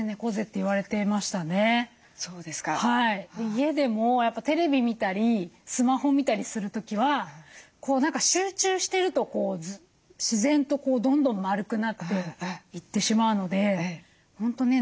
家でもテレビ見たりスマホ見たりする時は何か集中してるとこう自然とどんどん丸くなっていってしまうので本当ね